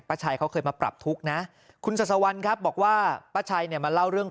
ชัยเขาเคยมาปรับทุกข์นะคุณสัสวันครับบอกว่าป้าชัยเนี่ยมาเล่าเรื่อง